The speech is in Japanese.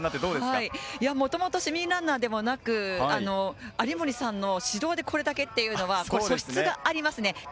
もともと市民ランナーでもなく、有森さんの指導でこれだけっていうのは素質があります。